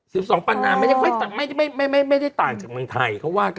สิบสองปันนาไม่ได้ไม่ไม่ได้ต่างจากเมืองไทยเขาว่ากัน